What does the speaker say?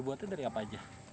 dibuat dari apa aja